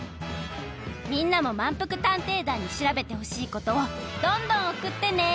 みんなもまんぷく探偵団に調べてほしいことをどんどんおくってね！